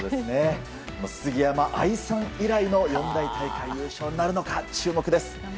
杉山愛さん以来の四大大会優勝なるのか注目です。